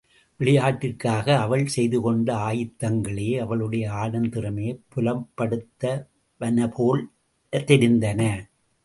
விளையாட்டிற்காக அவள் செய்துகொண்ட ஆயத்தங்களே, அவளுடைய ஆடும் திறமையைப் புலப்படுத்துவன போலத்தெரிந்தன.